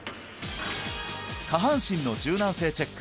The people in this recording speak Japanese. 下半身の柔軟性チェック